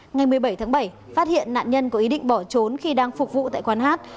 ngày một mươi bảy tháng bảy phát hiện nạn nhân có ý định bỏ trốn khi đang phục vụ tại quán hát